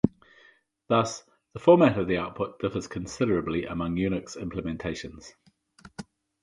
Thus, the format of the output differs considerably among Unix implementations.